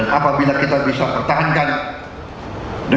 saya berterima kasih kepada anda